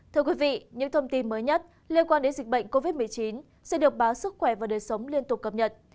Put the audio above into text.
thưa quý vị những thông tin mới nhất liên quan đến dịch bệnh covid một mươi chín sẽ được báo sức khỏe và đời sống liên tục cập nhật